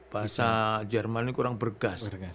bahasa jerman kurang bergas